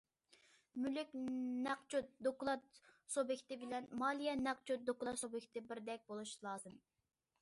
مۈلۈك نەقچوت دوكلات سۇبيېكتى بىلەن مالىيە نەق چوت دوكلات سۇبيېكتى بىردەك بولۇش لازىم.